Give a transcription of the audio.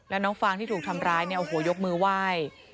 แล้วน้องฟางที่ถูกทำร้ายเนี่ยโอ้โหยกมือไหว้